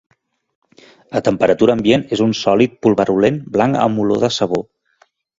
A temperatura ambient és un sòlid pulverulent blanc amb olor de sabó.